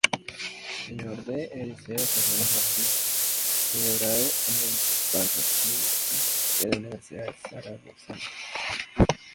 Sr. d. Eliseo Serrano Martín, celebrado en el Paraninfo de la Universidad zaragozana.